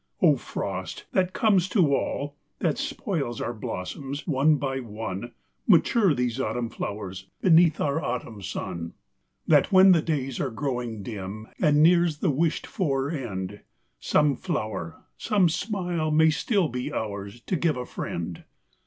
O Frost, that comes to all, that spoils Our blossoms, one by one, Mature these autumn flowers beneath Our autumn sun. ?6 LATE CHRYSANTHEMUMS. That when the days are growing dim, And nears the wished for end, Some flower, some smile, may still be To give a friend.